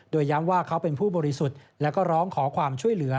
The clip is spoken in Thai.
โดยย้ำว่าเขาเป็นผู้บริสุทธิ์แล้วก็ร้องขอความช่วยเหลือ